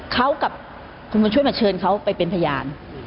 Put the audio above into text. เขากับคุณบุญช่วยมาเชิญเขาไปเป็นพยาน